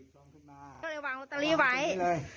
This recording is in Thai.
ก็เลยวางล็อตเตอรี่ไว้